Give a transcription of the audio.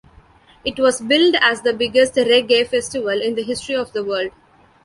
It was billed as the "biggest Reggae festival in the history of the world".